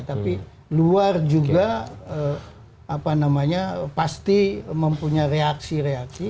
tapi luar juga pasti mempunyai reaksi reaksi